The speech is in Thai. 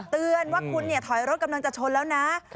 เตือนว่าคุณถอยรถกำลังจะชนแล้วนะ